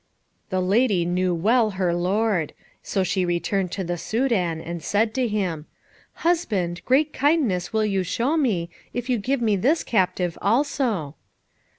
The lady knew well her lord, so she returned to the Soudan, and said to him, "Husband, great kindness will you show me, if you give me this captive also."